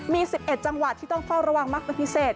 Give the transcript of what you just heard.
มี๑๑จังหวัดที่ต้องเฝ้าระวังมากเป็นพิเศษ